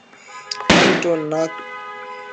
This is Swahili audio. Antony na Cleopatra hula pamoja labda kwenye samaki fulani